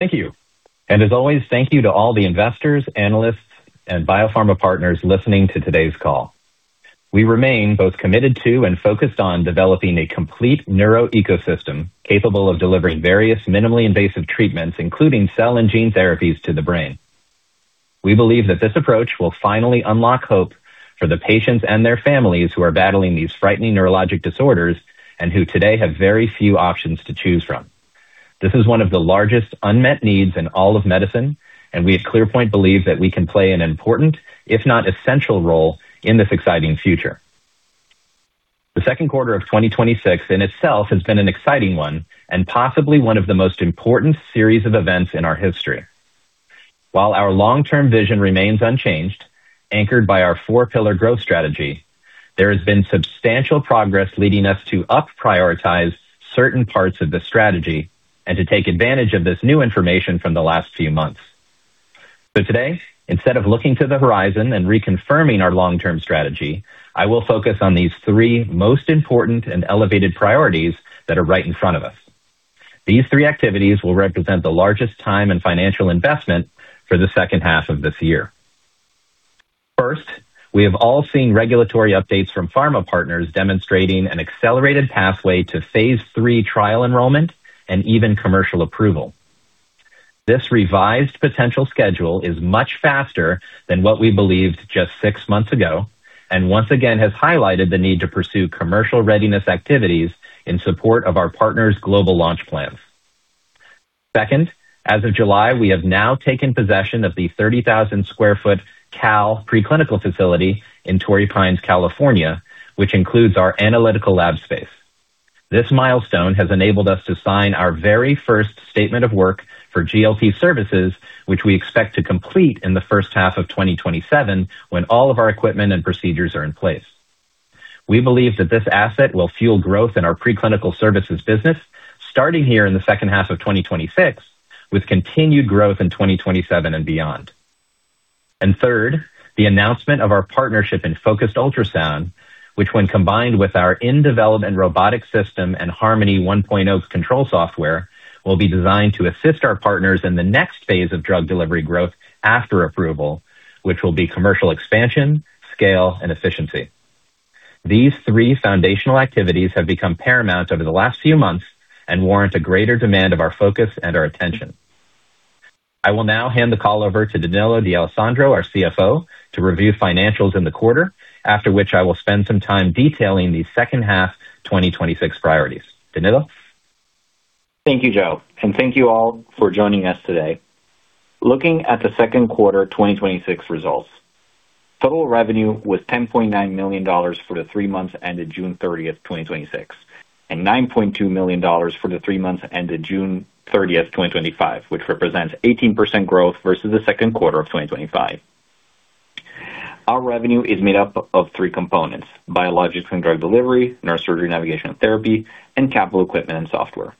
Thank you. As always, thank you to all the investors, analysts and biopharma partners listening to today's call. We remain both committed to and focused on developing a complete neuro ecosystem capable of delivering various minimally invasive treatments, including cell and gene therapies, to the brain. We believe that this approach will finally unlock hope for the patients and their families who are battling these frightening neurologic disorders and who today have very few options to choose from. This is one of the largest unmet needs in all of medicine. We at ClearPoint believe that we can play an important, if not essential, role in this exciting future. The 2Q of 2026 in itself has been an exciting one and possibly one of the most important series of events in our history. While our long-term vision remains unchanged, anchored by our four-pillar growth strategy, there has been substantial progress leading us to up prioritize certain parts of the strategy and to take advantage of this new information from the last few months. Today, instead of looking to the horizon and reconfirming our long-term strategy, I will focus on these three most important and elevated priorities that are right in front of us. These three activities will represent the largest time and financial investment for the second half of this year. First, we have all seen regulatory updates from pharma partners demonstrating an accelerated pathway to phase III trial enrollment and even commercial approval. This revised potential schedule is much faster than what we believed just six months ago, and once again has highlighted the need to pursue commercial readiness activities in support of our partners' global launch plans. Second, as of July, we have now taken possession of the 30,000 sq ft CAL preclinical facility in Torrey Pines, California, which includes our analytical lab space. This milestone has enabled us to sign our very first statement of work for GLP services, which we expect to complete in the first half of 2027, when all of our equipment and procedures are in place. We believe that this asset will fuel growth in our preclinical services business, starting here in the second half of 2026, with continued growth in 2027 and beyond. Third, the announcement of our partnership in focused ultrasound, which when combined with our in development robotic system and Harmony 1.0 control software, will be designed to assist our partners in the next phase of drug delivery growth after approval, which will be commercial expansion, scale and efficiency. These three foundational activities have become paramount over the last few months and warrant a greater demand of our focus and our attention. I will now hand the call over to Danilo D'Alessandro, our CFO, to review financials in the quarter, after which I will spend some time detailing the second half 2026 priorities. Danilo. Thank you, Joe, and thank you all for joining us today. Looking at the second quarter 2026 results, total revenue was $10.9 million for the three months ended June 30th, 2026, and $9.2 million for the three months ended June 30th, 2025, which represents 18% growth versus the second quarter of 2025. Our revenue is made up of three components, Biologics and Drug Delivery, Neurosurgery Navigation and Therapy, and Capital Equipment and Software.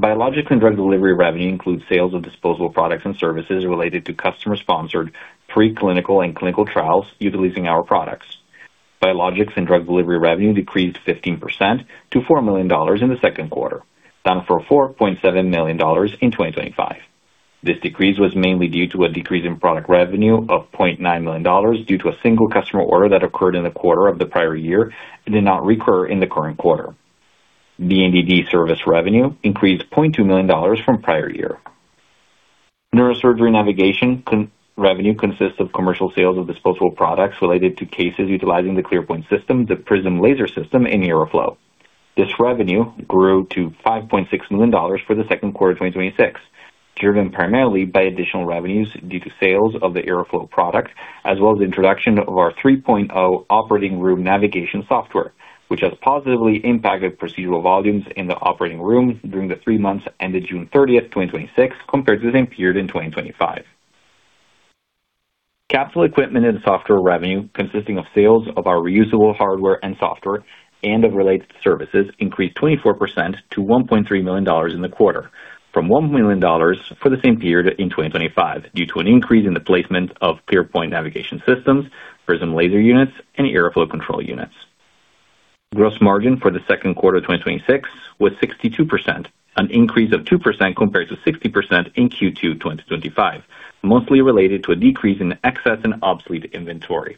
Biologics and Drug Delivery revenue includes sales of disposable products and services related to customer sponsored preclinical and clinical trials utilizing our products. Biologics and Drug Delivery revenue decreased 15% to $4 million in the second quarter, down from $4.7 million in 2025. This decrease was mainly due to a decrease in product revenue of $0.9 million due to a single customer order that occurred in the quarter of the prior year and did not recur in the current quarter. The ADD service revenue increased $0.2 million from prior year. Neurosurgery Navigation revenue consists of commercial sales of disposable products related to cases utilizing the ClearPoint System, the Prism laser system, and IRRAflow. This revenue grew to $5.6 million for the second quarter 2026, driven primarily by additional revenues due to sales of the IRRAflow product, as well as the introduction of our 3.0 operating room navigation software, which has positively impacted procedural volumes in the operating room during the three months ended June 30th, 2026, compared to the same period in 2025. Capital Equipment and Software revenue consisting of sales of our reusable hardware and software and of related services increased 24% to $1.3 million in the quarter from $1 million for the same period in 2025, due to an increase in the placement of ClearPoint navigation systems, Prism laser units and IRRAflow control units. Gross margin for the second quarter 2026 was 62%, an increase of 2% compared to 60% in Q2 2025, mostly related to a decrease in excess and obsolete inventory.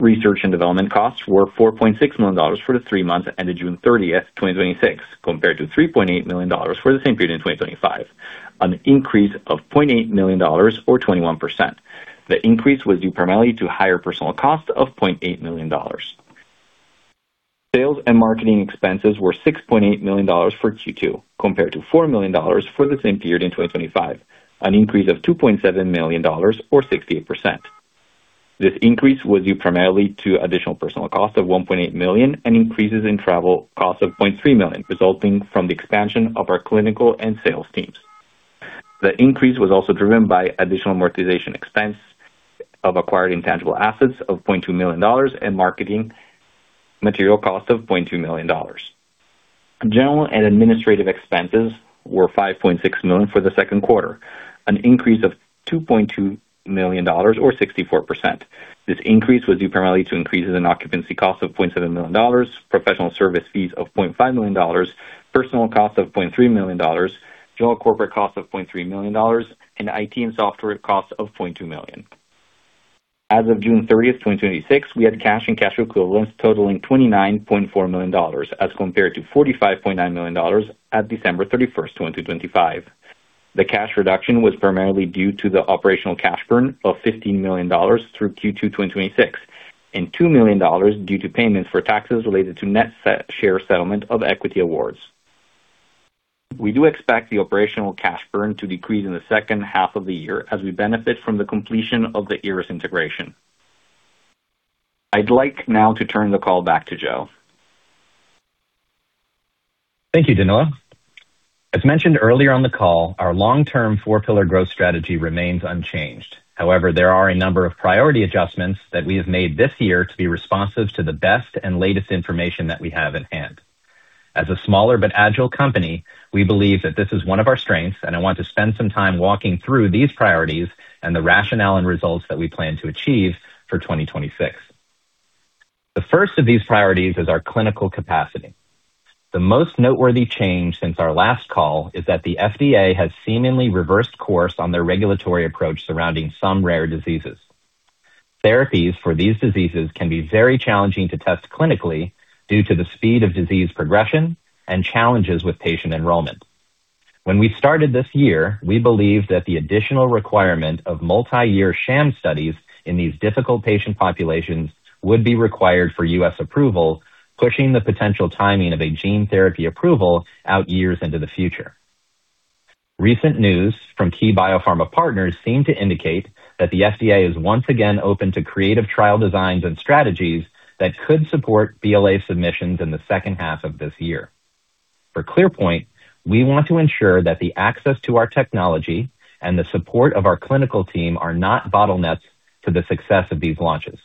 Research and Development costs were $4.6 million for the three months ended June 30th, 2026, compared to $3.8 million for the same period in 2025, an increase of $0.8 million or 21%. The increase was due primarily to higher personnel costs of $0.8 million. Sales and Marketing expenses were $6.8 million for Q2, compared to $4 million for the same period in 2025, an increase of $2.7 million, or 68%. This increase was due primarily to additional personnel cost of $1.8 million and increases in travel costs of $0.3 million, resulting from the expansion of our clinical and sales teams. The increase was also driven by additional amortization expense of acquired intangible assets of $0.2 million, and marketing material cost of $0.2 million. General and Administrative expenses were $5.6 million for the second quarter, an increase of $2.2 million or 64%. This increase was due primarily to increases in occupancy costs of $0.7 million, professional service fees of $0.5 million, personnel costs of $0.3 million, general corporate costs of $0.3 million, and IT and software costs of $0.2 million. As of June 30th, 2026, we had cash and cash equivalents totaling $29.4 million as compared to $45.9 million at December 31st, 2025. The cash reduction was primarily due to the operational cash burn of $15 million through Q2 2026 and $2 million due to payments for taxes related to net share settlement of equity awards. We do expect the operational cash burn to decrease in the second half of the year as we benefit from the completion of the IRRAS integration. I'd like now to turn the call back to Joe. Thank you, Danilo. As mentioned earlier on the call, our long-term four-pillar growth strategy remains unchanged. There are a number of priority adjustments that we have made this year to be responsive to the best and latest information that we have in hand. As a smaller but agile company, we believe that this is one of our strengths, and I want to spend some time walking through these priorities and the rationale and results that we plan to achieve for 2026. The first of these priorities is our clinical capacity. The most noteworthy change since our last call is that the FDA has seemingly reversed course on their regulatory approach surrounding some rare diseases. Therapies for these diseases can be very challenging to test clinically due to the speed of disease progression and challenges with patient enrollment. When we started this year, we believed that the additional requirement of multi-year sham studies in these difficult patient populations would be required for U.S. approval, pushing the potential timing of a gene therapy approval out years into the future. Recent news from key biopharma partners seem to indicate that the FDA is once again open to creative trial designs and strategies that could support BLA submissions in the second half of this year. For ClearPoint, we want to ensure that the access to our technology and the support of our clinical team are not bottlenecks to the success of these launches.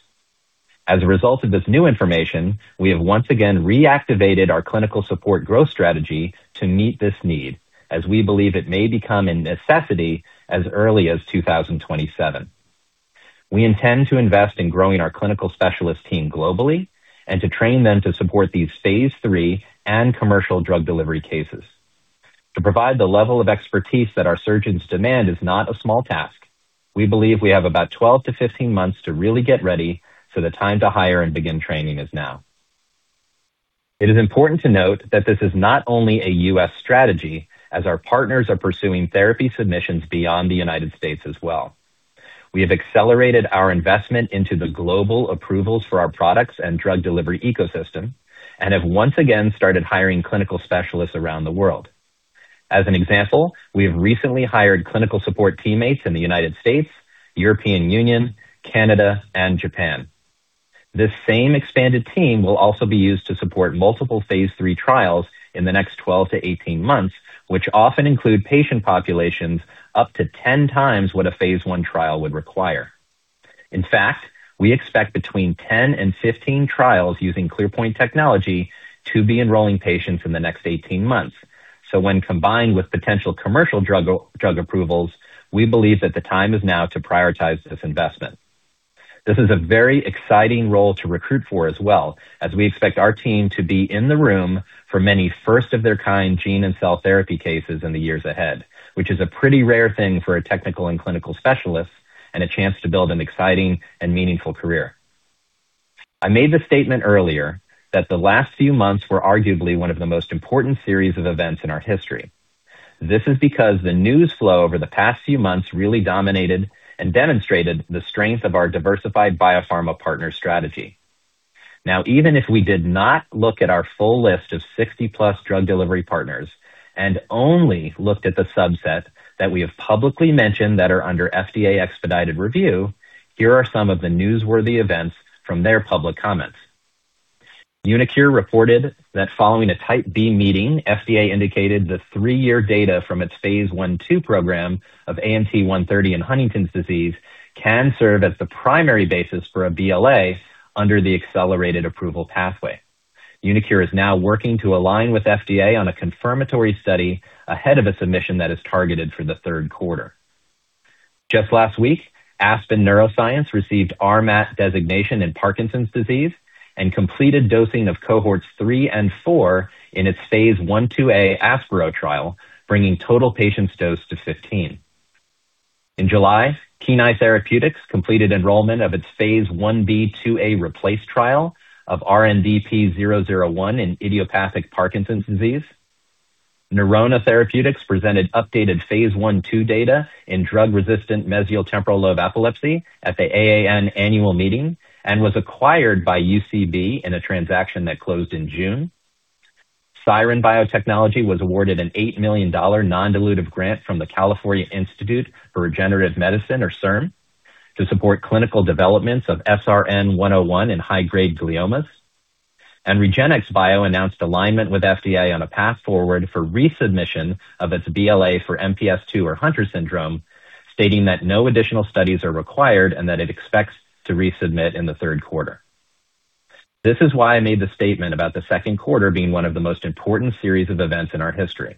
As a result of this new information, we have once again reactivated our clinical support growth strategy to meet this need, as we believe it may become a necessity as early as 2027. We intend to invest in growing our clinical specialist team globally and to train them to support these phase III and commercial drug delivery cases. To provide the level of expertise that our surgeons demand is not a small task. We believe we have about 12-15 months to really get ready, so the time to hire and begin training is now. It is important to note that this is not only a U.S. strategy, as our partners are pursuing therapy submissions beyond the United States as well. We have accelerated our investment into the global approvals for our products and drug delivery ecosystem and have once again started hiring clinical specialists around the world. As an example, we have recently hired clinical support teammates in the United States, European Union, Canada, and Japan. This same expanded team will also be used to support multiple phase III trials in the next 12-18 months, which often include patient populations up to 10 times what a phase I trial would require. In fact, we expect between 10 and 15 trials using ClearPoint technology to be enrolling patients in the next 18 months. When combined with potential commercial drug approvals, we believe that the time is now to prioritize this investment. This is a very exciting role to recruit for as well, as we expect our team to be in the room for many first-of-their-kind gene and cell therapy cases in the years ahead, which is a pretty rare thing for a technical and clinical specialist and a chance to build an exciting and meaningful career. I made the statement earlier that the last few months were arguably one of the most important series of events in our history. This is because the news flow over the past few months really dominated and demonstrated the strength of our diversified biopharma partner strategy. Even if we did not look at our full list of 60-plus drug delivery partners and only looked at the subset that we have publicly mentioned that are under FDA expedited review, here are some of the newsworthy events from their public comments. uniQure reported that following a Type B meeting, FDA indicated the three-year data from its phase I/II program of AMT-130 in Huntington's disease can serve as the primary basis for a BLA under the accelerated approval pathway. uniQure is now working to align with FDA on a confirmatory study ahead of a submission that is targeted for the third quarter. Just last week, Aspen Neuroscience received RMAT designation in Parkinson's disease and completed dosing of cohorts 3 and 4 in its phase I-IIA ASPIRO trial, bringing total patients dosed to 15. In July, Kenai Therapeutics completed enrollment of its phase I-B/IIA REPLACE trial of RNDP-001 in idiopathic Parkinson's disease. Neurona Therapeutics presented updated phase I/II data in drug-resistant mesial temporal lobe epilepsy at the AAN annual meeting and was acquired by UCB in a transaction that closed in June. Siren Biotechnology was awarded an $8 million non-dilutive grant from the California Institute for Regenerative Medicine, or CIRM, to support clinical developments of SRN-101 in high-grade gliomas. REGENXBIO announced alignment with FDA on a path forward for resubmission of its BLA for MPS II or Hunter syndrome, stating that no additional studies are required and that it expects to resubmit in the third quarter. This is why I made the statement about the second quarter being one of the most important series of events in our history.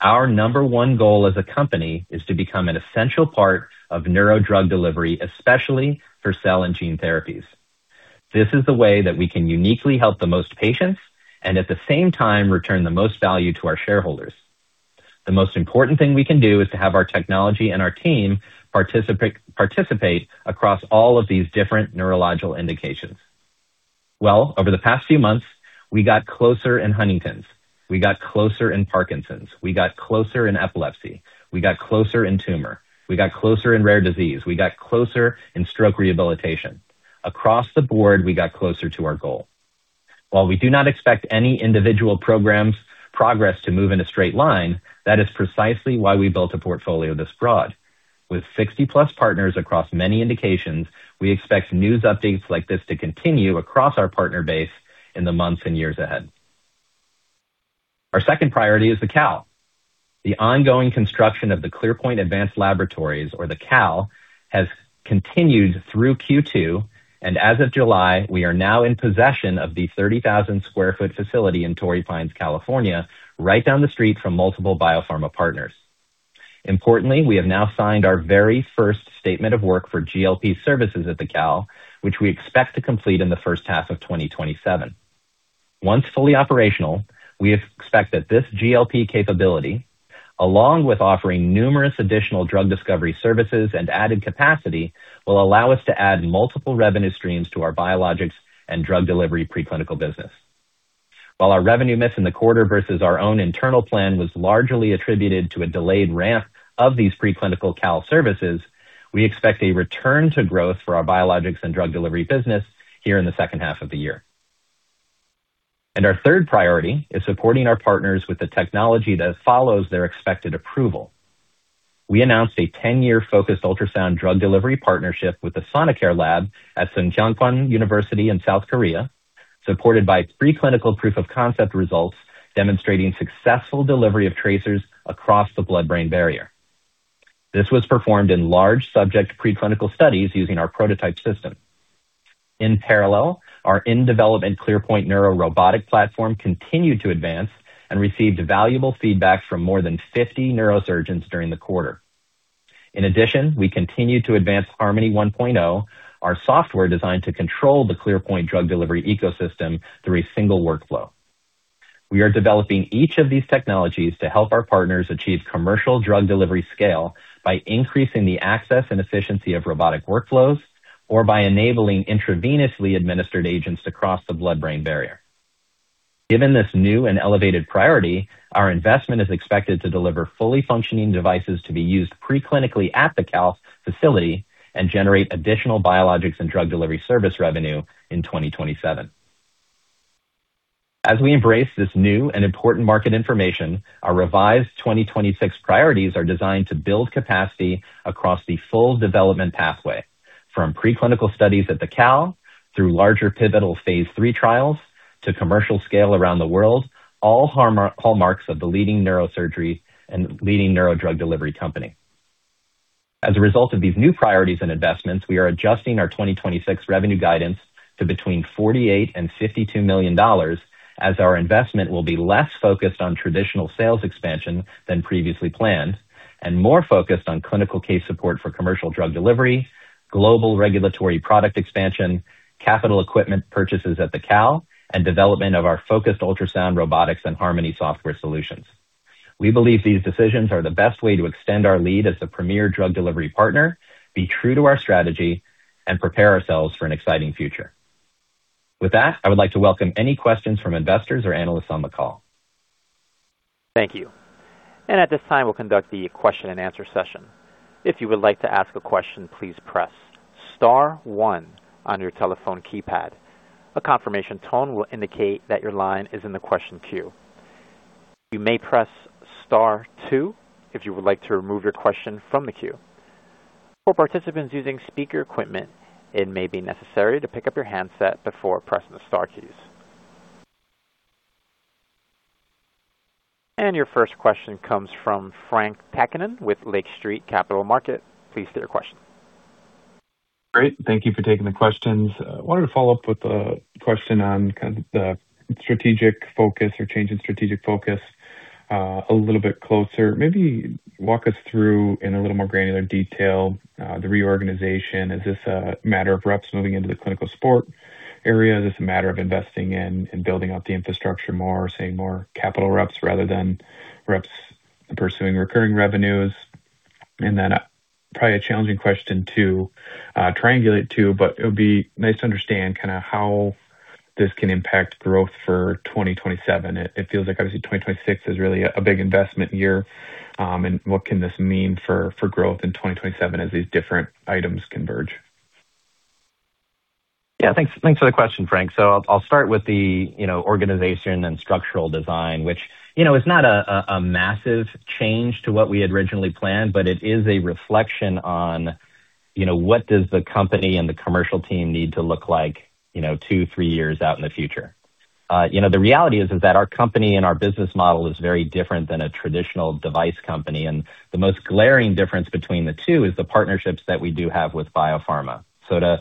Our number one goal as a company is to become an essential part of neuro drug delivery, especially for cell and gene therapies. This is the way that we can uniquely help the most patients and at the same time return the most value to our shareholders. The most important thing we can do is to have our technology and our team participate across all of these different neurological indications. Over the past few months, we got closer in Huntington's. We got closer in Parkinson's. We got closer in epilepsy. We got closer in tumor. We got closer in rare disease. We got closer in stroke rehabilitation. Across the board, we got closer to our goal. While we do not expect any individual program's progress to move in a straight line, that is precisely why we built a portfolio this broad. With 60+ partners across many indications, we expect news updates like this to continue across our partner base in the months and years ahead. Our second priority is the CAL. The ongoing construction of the ClearPoint Advanced Laboratories, or the CAL, has continued through Q2, and as of July, we are now in possession of the 30,000 sq ft facility in Torrey Pines, California, right down the street from multiple biopharma partners. Importantly, we have now signed our very first statement of work for GLP services at the CAL, which we expect to complete in the first half of 2027. Once fully operational, we expect that this GLP capability, along with offering numerous additional drug discovery services and added capacity, will allow us to add multiple revenue streams to our biologics and drug delivery preclinical business. While our revenue miss in the quarter versus our own internal plan was largely attributed to a delayed ramp of these preclinical CAL services, we expect a return to growth for our biologics and drug delivery business here in the second half of the year. Our third priority is supporting our partners with the technology that follows their expected approval. We announced a 10-year focused ultrasound drug delivery partnership with the SONOCARE Lab at Sungkyunkwan University in South Korea, supported by preclinical proof-of-concept results demonstrating successful delivery of tracers across the blood-brain barrier. This was performed in large-subject preclinical studies using our prototype system. In parallel, our in-development ClearPoint Neuro robotic platform continued to advance and received valuable feedback from more than 50 neurosurgeons during the quarter. In addition, we continued to advance Harmony 1.0, our software designed to control the ClearPoint drug delivery ecosystem through a single workflow. We are developing each of these technologies to help our partners achieve commercial drug delivery scale by increasing the access and efficiency of robotic workflows or by enabling intravenously administered agents across the blood-brain barrier. Given this new and elevated priority, our investment is expected to deliver fully functioning devices to be used preclinically at the CAL facility and generate additional biologics and drug delivery service revenue in 2027. As we embrace this new and important market information, our revised 2026 priorities are designed to build capacity across the full development pathway, from preclinical studies at the CAL through larger pivotal phase III trials to commercial scale around the world, all hallmarks of the leading neurosurgery and leading neuro drug delivery company. As a result of these new priorities and investments, we are adjusting our 2026 revenue guidance to between $48 million and $52 million as our investment will be less focused on traditional sales expansion than previously planned and more focused on clinical case support for commercial drug delivery, global regulatory product expansion, capital equipment purchases at the CAL, and development of our focused ultrasound robotics and Harmony software solutions. We believe these decisions are the best way to extend our lead as the premier drug delivery partner, be true to our strategy, and prepare ourselves for an exciting future. With that, I would like to welcome any questions from investors or analysts on the call. Thank you. At this time, we'll conduct the question and answer session. If you would like to ask a question, please press star one on your telephone keypad. A confirmation tone will indicate that your line is in the question queue. You may press star two if you would like to remove your question from the queue. For participants using speaker equipment, it may be necessary to pick up your handset before pressing the star keys. Your first question comes from Frank Takkinen with Lake Street Capital Markets. Please state your question. Great. Thank you for taking the questions. I wanted to follow up with a question on the strategic focus or change in strategic focus a little bit closer. Maybe walk us through in a little more granular detail, the reorganization. Is this a matter of reps moving into the clinical support area? Is this a matter of investing in and building out the infrastructure more, say more capital reps rather than reps pursuing recurring revenues? Then probably a challenging question to triangulate too, but it would be nice to understand how this can impact growth for 2027. It feels like obviously 2026 is really a big investment year, and what can this mean for growth in 2027 as these different items converge? Yeah. Thanks for the question, Frank. I'll start with the organization and structural design, which is not a massive change to what we had originally planned, but it is a reflection on what does the company and the commercial team need to look like two, three years out in the future. The reality is that our company and our business model is very different than a traditional device company, and the most glaring difference between the two is the partnerships that we do have with biopharma. To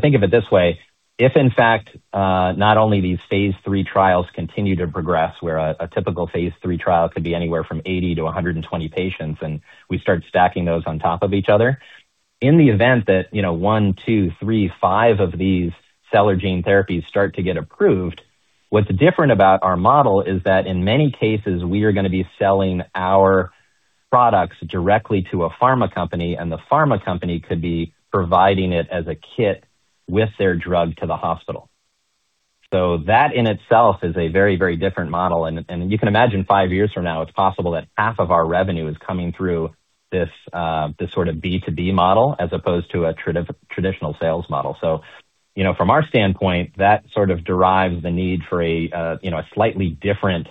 think of it this way, if in fact, not only these phase III trials continue to progress, where a typical phase III trial could be anywhere from 80 to 120 patients, we start stacking those on top of each other. In the event that one, two, three, five of these cell and gene therapies start to get approved, what's different about our model is that in many cases, we are going to be selling our products directly to a pharma company, and the pharma company could be providing it as a kit with their drug to the hospital. That in itself is a very different model. You can imagine five years from now, it's possible that half of our revenue is coming through this sort of B2B model as opposed to a traditional sales model. From our standpoint, that sort of derives the need for a slightly different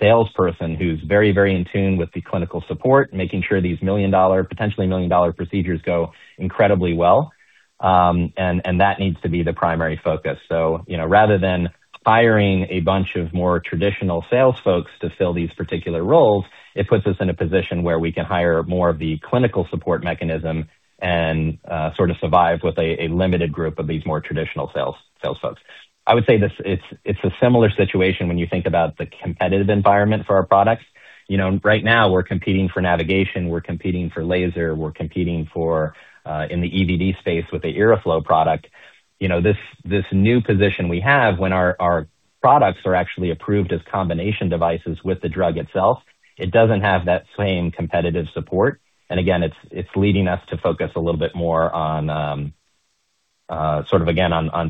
salesperson who's very in tune with the clinical support, making sure these potentially $1 million procedures go incredibly well. That needs to be the primary focus. Rather than hiring a bunch of more traditional sales folks to fill these particular roles, it puts us in a position where we can hire more of the clinical support mechanism and sort of survive with a limited group of these more traditional sales folks. I would say it's a similar situation when you think about the competitive environment for our products. Right now, we're competing for navigation, we're competing for laser, we're competing in the EVD space with the IRRAflow product. This new position we have when our products are actually approved as combination devices with the drug itself, it doesn't have that same competitive support, and again, it's leading us to focus a little bit more on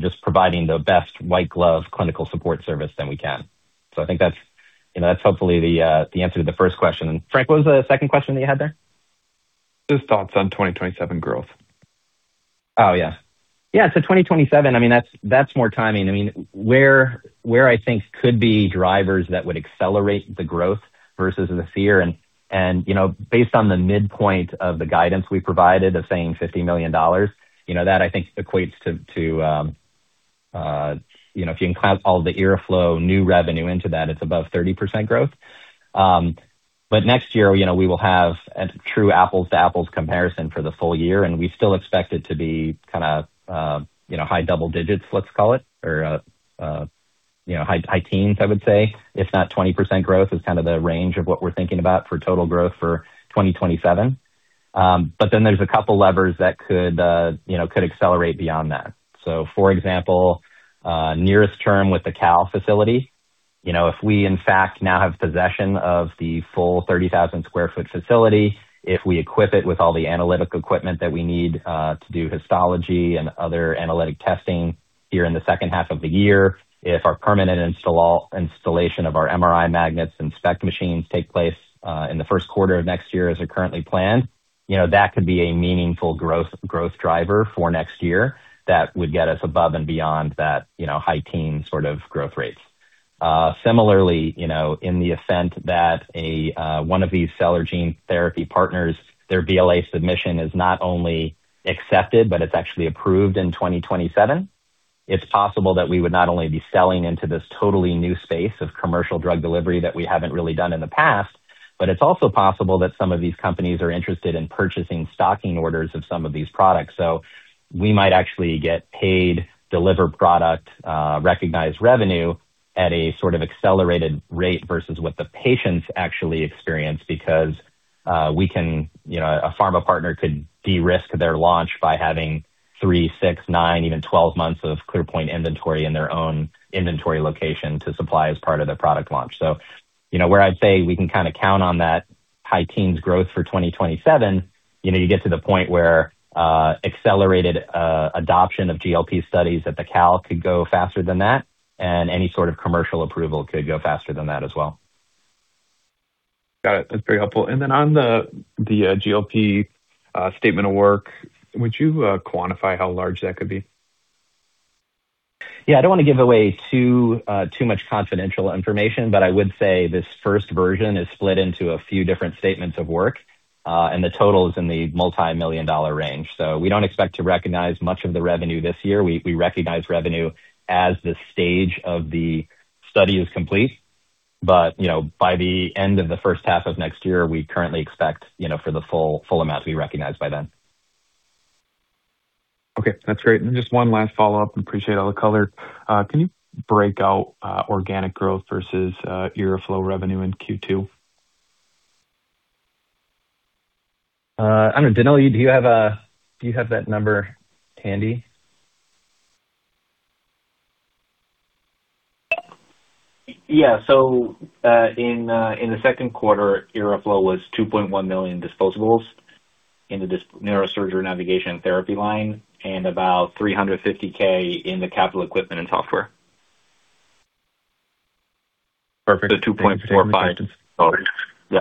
just providing the best white glove clinical support service that we can. I think that's hopefully the answer to the first question. Frank, what was the second question that you had there? Just thoughts on 2027 growth. Oh, yeah. 2027, that's more timing. Where I think could be drivers that would accelerate the growth versus the fear and based on the midpoint of the guidance we provided of saying $50 million, that I think equates to, if you include all the IRRAflow new revenue into that, it's above 30% growth. Next year, we will have a true apples to apples comparison for the full year, and we still expect it to be kind of high double digits, let's call it, or high teens, I would say, if not 20% growth is kind of the range of what we're thinking about for total growth for 2027. There's a couple levers that could accelerate beyond that. For example, nearest term with the CAL facility, if we in fact now have possession of the full 30,000 sq ft facility, if we equip it with all the analytic equipment that we need to do histology and other analytic testing here in the second half of the year. If our permanent installation of our MRI magnets and SPECT machines take place in the first quarter of next year as are currently planned, that could be a meaningful growth driver for next year that would get us above and beyond that high teen sort of growth rates. Similarly, in the event that one of these cell and gene therapy partners, their BLA submission is not only accepted, but it's actually approved in 2027, it's possible that we would not only be selling into this totally new space of commercial drug delivery that we haven't really done in the past, but it's also possible that some of these companies are interested in purchasing stocking orders of some of these products. We might actually get paid, deliver product, recognize revenue at a sort of accelerated rate versus what the patients actually experience, because a pharma partner could de-risk their launch by having three, six, nine, even 12 months of ClearPoint inventory in their own inventory location to supply as part of their product launch. Where I'd say we can kind of count on that high teens growth for 2027, you get to the point where accelerated adoption of GLP studies at the CAL could go faster than that, and any sort of commercial approval could go faster than that as well. Got it. That's very helpful. Then on the GLP statement of work, would you quantify how large that could be? Yeah, I don't want to give away too much confidential information, but I would say this first version is split into a few different statements of work, and the total is in the multimillion-dollar range. We don't expect to recognize much of the revenue this year. We recognize revenue as the stage of the study is complete. By the end of the first half of next year, we currently expect for the full amount to be recognized by then. Okay, that's great. Just one last follow-up. Appreciate all the color. Can you break out organic growth versus IRRAflow revenue in Q2? I don't know, Danilo, do you have that number handy? Yeah. In the second quarter, IRRAflow was $2.1 million disposables in the neurosurgery navigation therapy line, and about $350,000 in the capital equipment and software. Perfect. The 2.45. Yeah.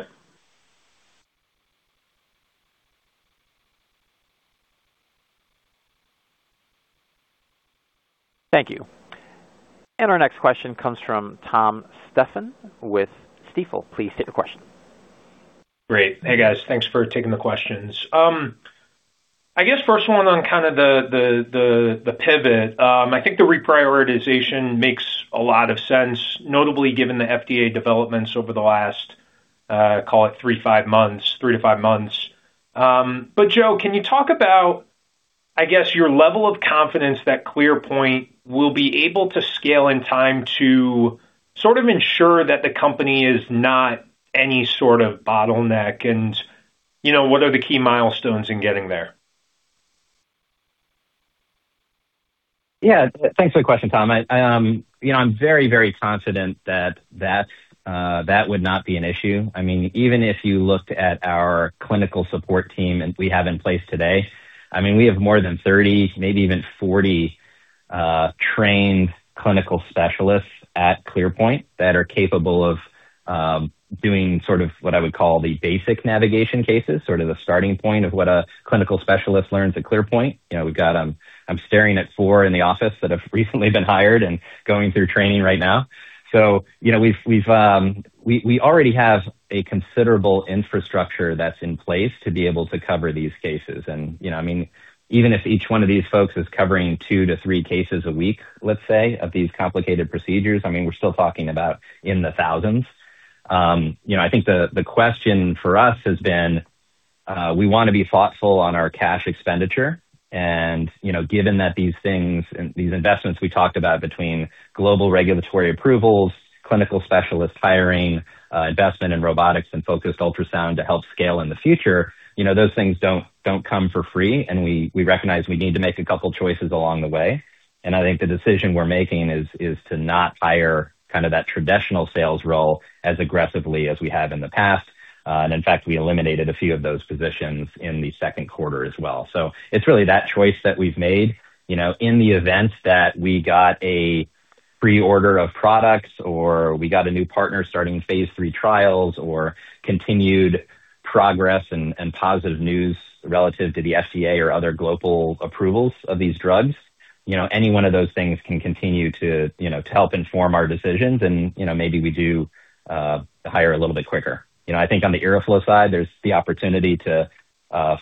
Thank you. Our next question comes from Tom Stephan with Stifel. Please state your question. Great. Hey, guys. Thanks for taking the questions. I guess first one on kind of the pivot. I think the reprioritization makes a lot of sense, notably given the FDA developments over the last, call it three to five months. Joe, can you talk about, I guess, your level of confidence that ClearPoint will be able to scale in time to sort of ensure that the company is not any sort of bottleneck? What are the key milestones in getting there? Yeah. Thanks for the question, Tom. I'm very confident that would not be an issue. Even if you looked at our clinical support team that we have in place today, we have more than 30, maybe even 40 trained clinical specialists at ClearPoint that are capable of doing sort of what I would call the basic navigation cases, sort of the starting point of what a clinical specialist learns at ClearPoint. I'm staring at four in the office that have recently been hired and going through training right now. We already have a considerable infrastructure that's in place to be able to cover these cases. Even if each one of these folks is covering two to three cases a week, let's say, of these complicated procedures, we're still talking about in the thousands. I think the question for us has been, we want to be thoughtful on our cash expenditure. Given that these things, these investments we talked about between global regulatory approvals, clinical specialist hiring, investment in robotics and focused ultrasound to help scale in the future, those things don't come for free, and we recognize we need to make a couple choices along the way. I think the decision we're making is to not hire kind of that traditional sales role as aggressively as we have in the past. In fact, we eliminated a few of those positions in the second quarter as well. It's really that choice that we've made. In the event that we got a reorder of products, or we got a new partner starting phase III trials, or continued progress and positive news relative to the FDA or other global approvals of these drugs, any one of those things can continue to help inform our decisions and, maybe we do hire a little bit quicker. I think on the IRRAflow side, there's the opportunity to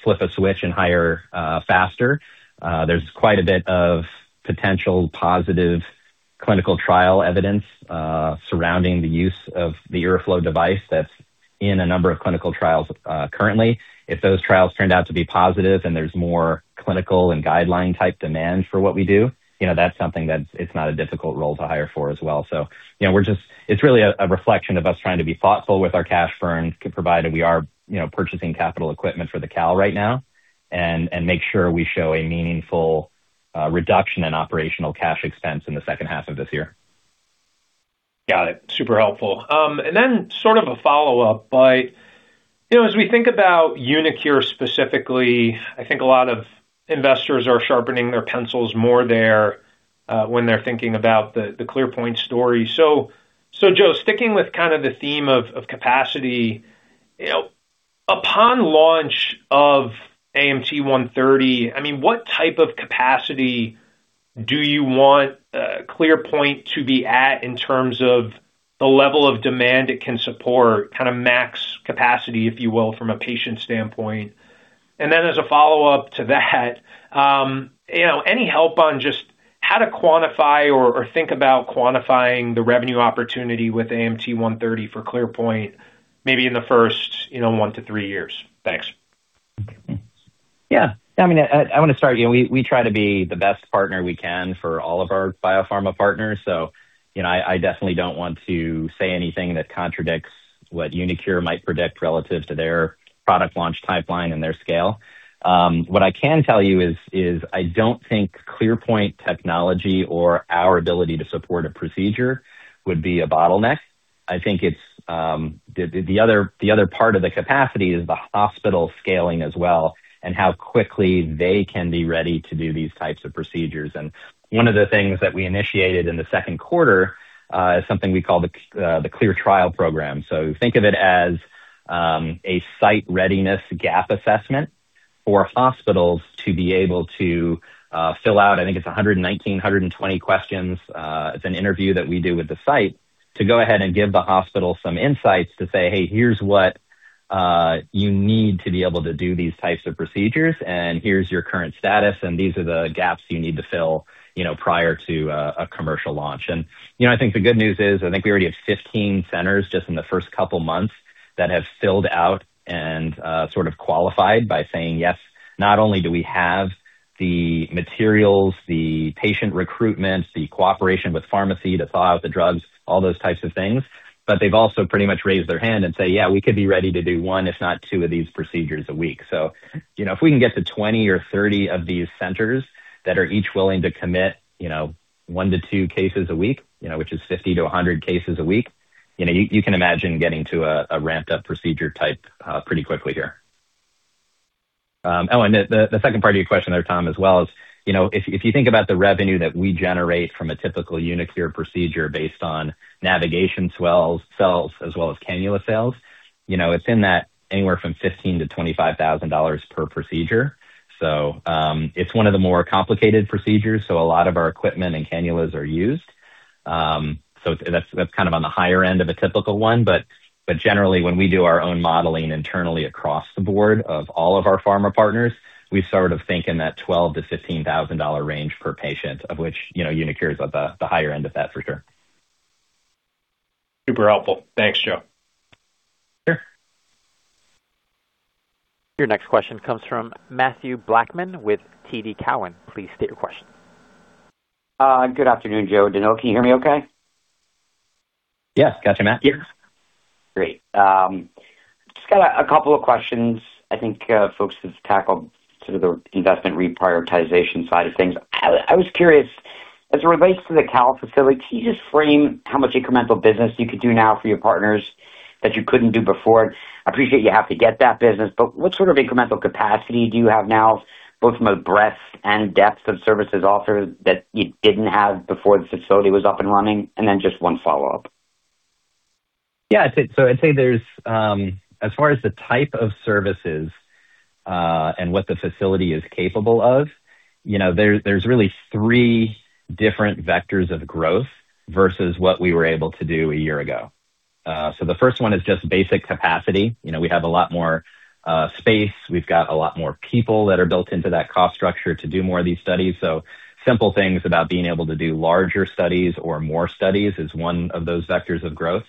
flip a switch and hire faster. There's quite a bit of potential positive clinical trial evidence surrounding the use of the IRRAflow device that's in a number of clinical trials, currently. If those trials turned out to be positive and there's more clinical and guideline type demand for what we do, that's something that it's not a difficult role to hire for as well. It's really a reflection of us trying to be thoughtful with our cash burn, provided we are purchasing capital equipment for the CAL right now, and make sure we show a meaningful reduction in operational cash expense in the second half of this year. Got it. Super helpful. As we think about uniQure specifically, I think a lot of investors are sharpening their pencils more there, when they're thinking about the ClearPoint story. Joe, sticking with kind of the theme of capacity, upon launch of AMT-130, what type of capacity do you want ClearPoint to be at in terms of the level of demand it can support, kind of max capacity, if you will, from a patient standpoint? As a follow-up to that any help on just how to quantify or think about quantifying the revenue opportunity with AMT-130 for ClearPoint, maybe in the first one to three years? Thanks. Yeah. I want to start, we try to be the best partner we can for all of our biopharma partners. I definitely don't want to say anything that contradicts what uniQure might predict relative to their product launch timeline and their scale. What I can tell you is I don't think ClearPoint technology or our ability to support a procedure would be a bottleneck. I think it's the other part of the capacity is the hospital scaling as well and how quickly they can be ready to do these types of procedures. One of the things that we initiated in the second quarter, is something we call the Clear Trial Program. Think of it as a site readiness gap assessment for hospitals to be able to fill out, I think it's 119, 120 questions. It's an interview that we do with the site to go ahead and give the hospital some insights to say, "Hey, here's what you need to be able to do these types of procedures, and here's your current status, and these are the gaps you need to fill prior to a commercial launch." I think the good news is, I think we already have 15 centers just in the first couple of months that have filled out and sort of qualified by saying, "Yes, not only do we have the materials, the patient recruitment, the cooperation with pharmacy to thaw out the drugs," all those types of things, but they've also pretty much raised their hand and say, "Yeah, we could be ready to do one, if not two of these procedures a week." If we can get to 20 or 30 of these centers that are each willing to commit one to two cases a week, which is 50-100 cases a week, you can imagine getting to a ramped-up procedure type pretty quickly here. The second part of your question there, Tom, as well is, if you think about the revenue that we generate from a typical uniQure procedure based on navigation cells as well as cannula sales, it's in that anywhere from $15,000-$25,000 per procedure. It's one of the more complicated procedures, a lot of our equipment and cannulas are used. That's on the higher end of a typical one. Generally, when we do our own modeling internally across the board of all of our pharma partners, we think in that $12,000-$15,000 range per patient, of which uniQure is at the higher end of that for sure. Super helpful. Thanks, Joe. Sure. Your next question comes from Mathew Blackman with TD Cowen. Please state your question. Good afternoon, Joe [Deneau]. Can you hear me okay? Yes. Got you, Mathew. Yes. Great. Just got a couple of questions. I think folks have tackled sort of the investment reprioritization side of things. I was curious, as it relates to the CAL facility, can you just frame how much incremental business you could do now for your partners that you couldn't do before? What sort of incremental capacity do you have now, both from a breadth and depth of services offered that you didn't have before the facility was up and running? Just one follow-up. Yeah. I'd say as far as the type of services, and what the facility is capable of, there's really three different vectors of growth versus what we were able to do a year ago. The first one is just basic capacity. We have a lot more space. We've got a lot more people that are built into that cost structure to do more of these studies. Simple things about being able to do larger studies or more studies is one of those vectors of growth.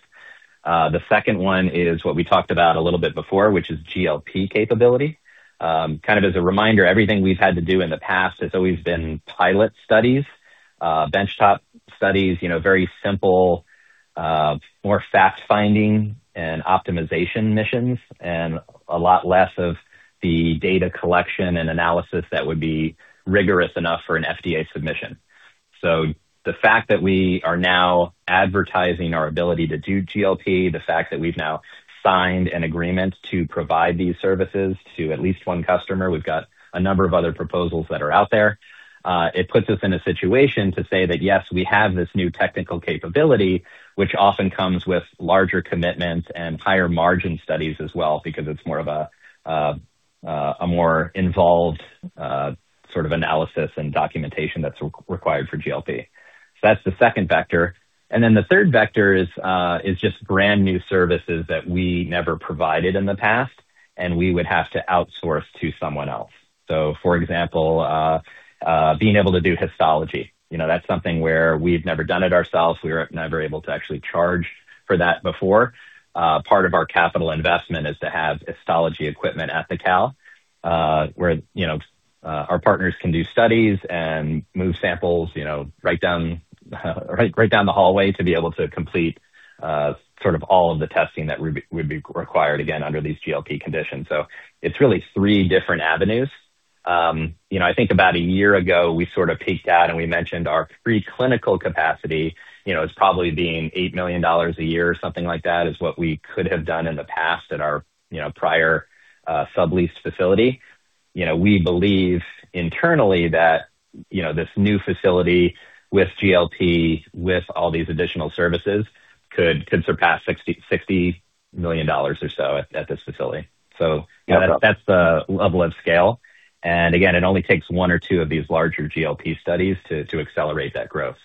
The second one is what we talked about a little bit before, which is GLP capability. Kind of as a reminder, everything we've had to do in the past has always been pilot studies, benchtop studies, very simple, more fact-finding and optimization missions, and a lot less of the data collection and analysis that would be rigorous enough for an FDA submission. The fact that we are now advertising our ability to do GLP, the fact that we've now signed an agreement to provide these services to at least one customer, we've got a number of other proposals that are out there, it puts us in a situation to say that, yes, we have this new technical capability, which often comes with larger commitments and higher margin studies as well, because it's more of a more involved sort of analysis and documentation that's required for GLP. That's the second vector. The third vector is just brand new services that we never provided in the past and we would have to outsource to someone else. For example, being able to do histology. That's something where we've never done it ourselves. We were never able to actually charge for that before. Part of our capital investment is to have histology equipment at the CAL, where our partners can do studies and move samples right down the hallway to be able to complete sort of all of the testing that would be required again under these GLP conditions. It's really three different avenues. I think about a year ago, we sort of peaked out and we mentioned our pre-clinical capacity as probably being $8 million a year or something like that is what we could have done in the past at our prior subleased facility. We believe internally that this new facility with GLP, with all these additional services, could surpass $60 million or so at this facility. Yeah. That's the level of scale. Again, it only takes one or two of these larger GLP studies to accelerate that growth.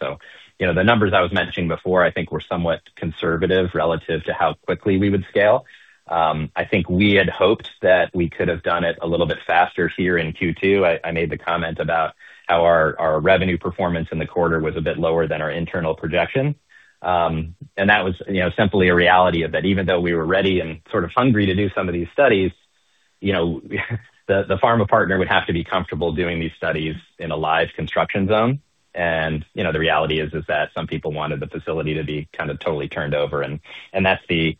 The numbers I was mentioning before I think were somewhat conservative relative to how quickly we would scale. I think we had hoped that we could have done it a little bit faster here in Q2. I made the comment about how our revenue performance in the quarter was a bit lower than our internal projection. That was simply a reality of that even though we were ready and sort of hungry to do some of these studies, the pharma partner would have to be comfortable doing these studies in a live construction zone. The reality is that some people wanted the facility to be kind of totally turned over, and that's the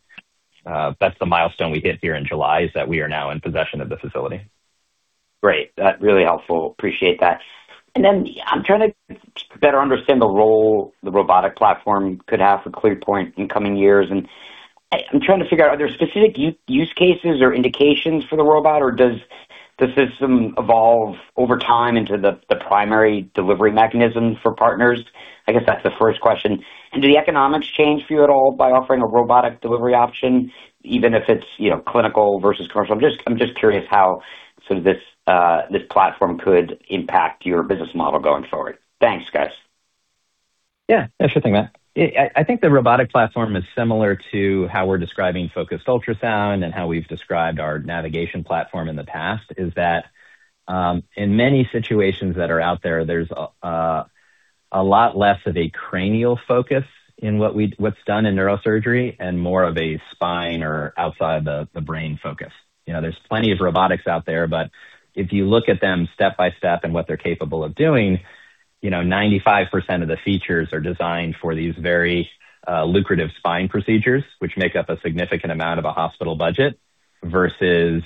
milestone we hit here in July, is that we are now in possession of the facility. Great. That's really helpful. Appreciate that. I'm trying to better understand the role the robotic platform could have for ClearPoint in coming years, and I'm trying to figure out, are there specific use cases or indications for the robot, or does the system evolve over time into the primary delivery mechanism for partners? I guess that's the first question. Do the economics change for you at all by offering a robotic delivery option, even if it's clinical versus commercial? I'm just curious how sort of this platform could impact your business model going forward. Thanks, guys. Yeah. Sure thing, Matt. I think the robotic platform is similar to how we're describing focused ultrasound and how we've described our navigation platform in the past, is that, in many situations that are out there's a lot less of a cranial focus in what's done in neurosurgery and more of a spine or outside the brain focus. There's plenty of robotics out there, but if you look at them step by step and what they're capable of doing, 95% of the features are designed for these very lucrative spine procedures, which make up a significant amount of a hospital budget versus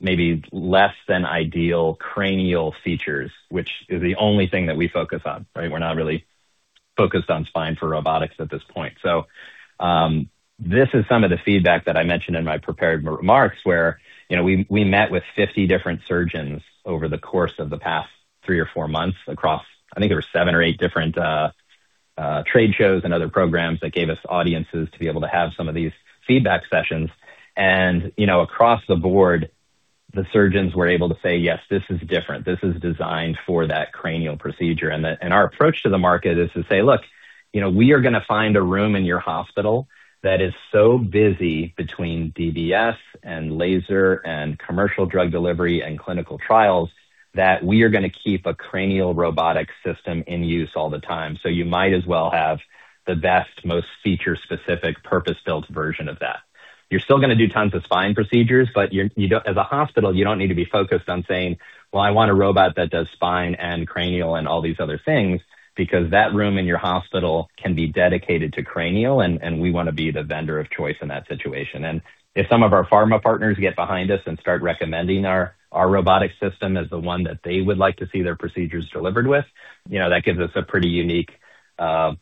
maybe less than ideal cranial features, which is the only thing that we focus on, right? We're not really focused on spine for robotics at this point. This is some of the feedback that I mentioned in my prepared remarks where we met with 50 different surgeons over the course of the past three or four months across, I think there were seven or eight different trade shows and other programs that gave us audiences to be able to have some of these feedback sessions. Across the board, the surgeons were able to say, "Yes, this is different. This is designed for that cranial procedure." Our approach to the market is to say, "Look, we are going to find a room in your hospital that is so busy between DBS and laser and commercial drug delivery and clinical trials, that we are going to keep a cranial robotic system in use all the time. You might as well have the best, most feature-specific, purpose-built version of that." You're still going to do tons of spine procedures, but as a hospital, you don't need to be focused on saying, "Well, I want a robot that does spine and cranial and all these other things," because that room in your hospital can be dedicated to cranial, and we want to be the vendor of choice in that situation. If some of our pharma partners get behind us and start recommending our robotic system as the one that they would like to see their procedures delivered with, that gives us a pretty unique sort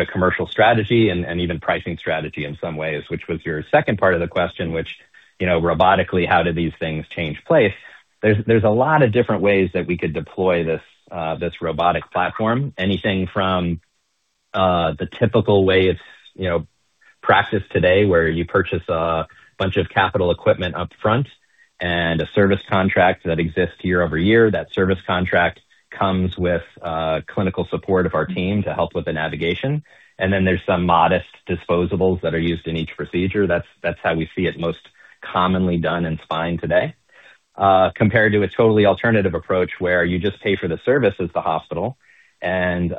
of commercial strategy, and even pricing strategy in some ways, which was your second part of the question, which, robotically, how do these things change place? There's a lot of different ways that we could deploy this robotic platform. Anything from the typical way it's practiced today, where you purchase a bunch of capital equipment upfront and a service contract that exists year-over-year. That service contract comes with clinical support of our team to help with the navigation. Then there's some modest disposables that are used in each procedure. That's how we see it most commonly done in spine today. Compared to a totally alternative approach where you just pay for the service as the hospital, and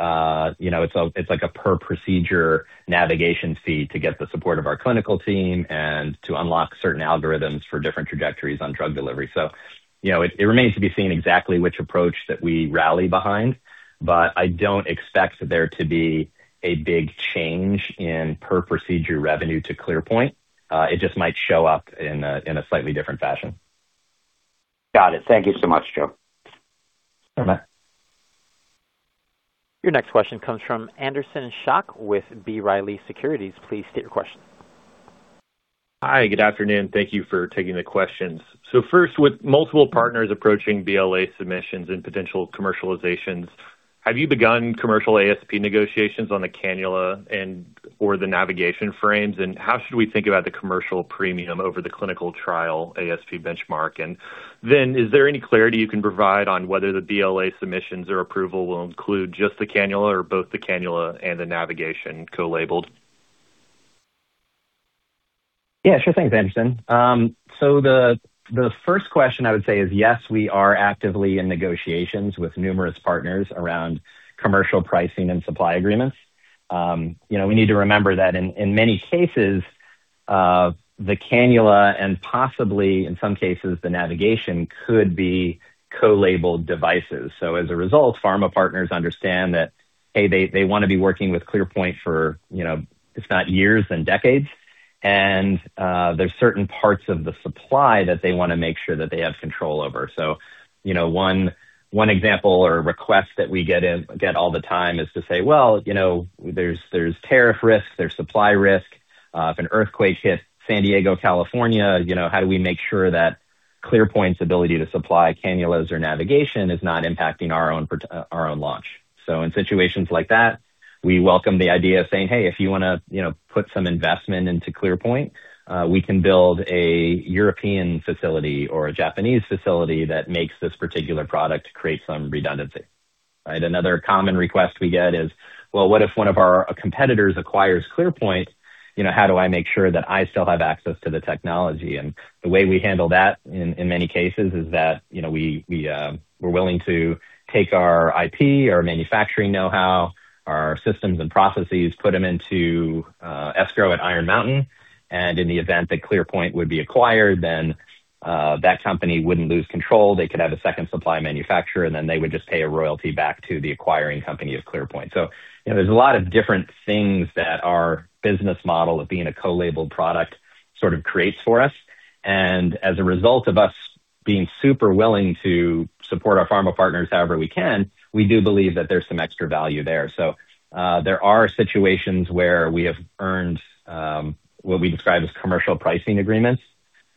it's like a per procedure navigation fee to get the support of our clinical team and to unlock certain algorithms for different trajectories on drug delivery. It remains to be seen exactly which approach that we rally behind, but I don't expect there to be a big change in per procedure revenue to ClearPoint. It just might show up in a slightly different fashion. Got it. Thank you so much, Joe. Your next question comes from Anderson Schock with B. Riley Securities. Please state your question. Hi. Good afternoon. Thank you for taking the questions. First, with multiple partners approaching BLA submissions and potential commercializations, have you begun commercial ASP negotiations on the cannula and/or the navigation frames? How should we think about the commercial premium over the clinical trial ASP benchmark? Then, is there any clarity you can provide on whether the BLA submissions or approval will include just the cannula or both the cannula and the navigation cross-labeled? Yeah, sure. Thanks, Anderson. The first question I would say is, yes, we are actively in negotiations with numerous partners around commercial pricing and supply agreements. We need to remember that in many cases, the cannula, and possibly, in some cases, the navigation, could be co-labeled devices. As a result, pharma partners understand that they want to be working with ClearPoint for, if not years, then decades. There's certain parts of the supply that they want to make sure that they have control over. One example or request that we get all the time is to say, "Well, there's tariff risk, there's supply risk. If an earthquake hits San Diego, California, how do we make sure that ClearPoint's ability to supply cannulas or navigation is not impacting our own launch?" In situations like that, we welcome the idea of saying, "Hey, if you want to put some investment into ClearPoint, we can build a European facility or a Japanese facility that makes this particular product to create some redundancy." Right? The way we handle that in many cases is that, we're willing to take our IP, our manufacturing knowhow, our systems and processes, put them into escrow at Iron Mountain, and in the event that ClearPoint would be acquired, then that company wouldn't lose control. They could have a second supply manufacturer, then they would just pay a royalty back to the acquiring company of ClearPoint. There's a lot of different things that our business model of being a cross-labeled product sort of creates for us. As a result of us being super willing to support our pharma partners however we can, we do believe that there's some extra value there. There are situations where we have earned what we describe as commercial pricing agreements,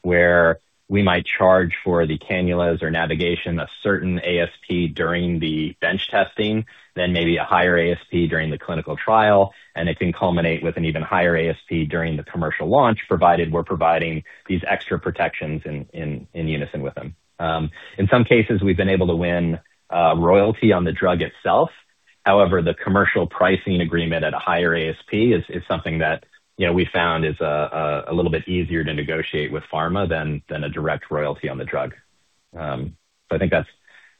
where we might charge for the cannulas or navigation a certain ASP during the bench testing, then maybe a higher ASP during the clinical trial, and it can culminate with an even higher ASP during the commercial launch, provided we're providing these extra protections in unison with them. In some cases, we've been able to win a royalty on the drug itself. However, the commercial pricing agreement at a higher ASP is something that we found is a little bit easier to negotiate with pharma than a direct royalty on the drug. I think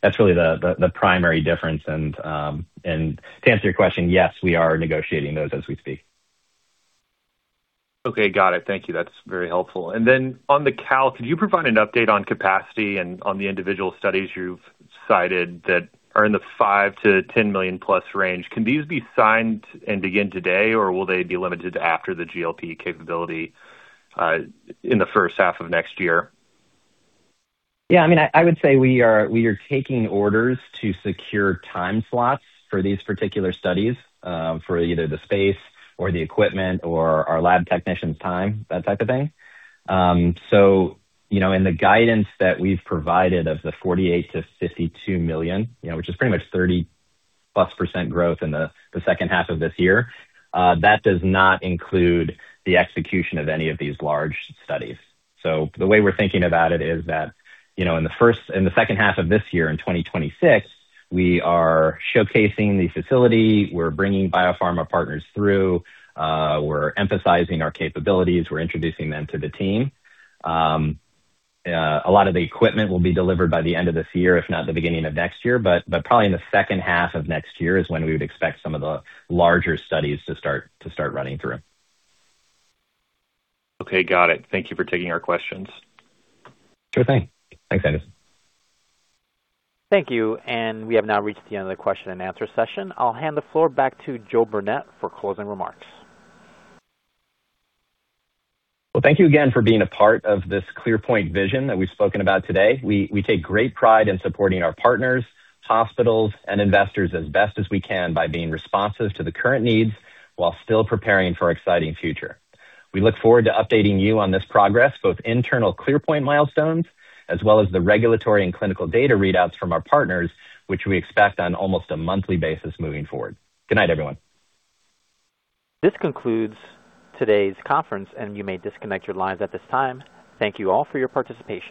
that's really the primary difference. To answer your question, yes, we are negotiating those as we speak. Okay. Got it. Thank you. That's very helpful. Then on the CAL, could you provide an update on capacity and on the individual studies you've cited that are in the $5 million-$10 million plus range? Can these be signed and begin today, or will they be limited to after the GLP capability in the first half of next year? Yeah, I would say we are taking orders to secure time slots for these particular studies, for either the space or the equipment or our lab technicians' time, that type of thing. In the guidance that we've provided of the $48 million-$52 million, which is pretty much 30%+ growth in the second half of this year, that does not include the execution of any of these large studies. The way we're thinking about it is that, in the second half of this year, in 2026, we are showcasing the facility. We're bringing biopharma partners through. We're emphasizing our capabilities. We're introducing them to the team. A lot of the equipment will be delivered by the end of this year, if not the beginning of next year. Probably in the second half of next year is when we would expect some of the larger studies to start running through. Okay. Got it. Thank you for taking our questions. Sure thing. Thanks, Anderson. Thank you. We have now reached the end of the question and answer session. I'll hand the floor back to Joe Burnett for closing remarks. Well, thank you again for being a part of this ClearPoint vision that we've spoken about today. We take great pride in supporting our partners, hospitals, and investors as best as we can by being responsive to the current needs while still preparing for an exciting future. We look forward to updating you on this progress, both internal ClearPoint milestones as well as the regulatory and clinical data readouts from our partners, which we expect on almost a monthly basis moving forward. Good night, everyone. This concludes today's conference. You may disconnect your lines at this time. Thank you all for your participation.